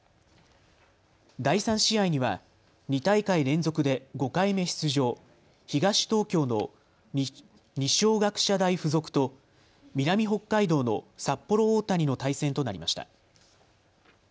第３試合には２大会連続で５回目出場、東東京の二松学舎大付属と南北海道の札幌大谷の対戦となりました。